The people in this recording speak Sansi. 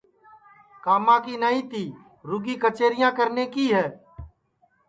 کاما کی نائی تی رُگی کچیریاں کرنے کی